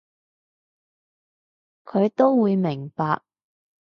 佢都會明白